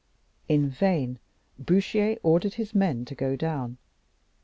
In vain Bouchier ordered his men to go down.